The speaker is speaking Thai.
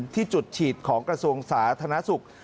ที่จุดฉีดของกระทรวงศาสตร์ธนศุกร์